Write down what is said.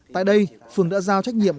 tại đây phường đã giao trách nhiệm